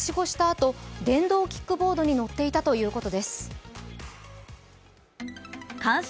あと電動キックボードに乗っていたということです。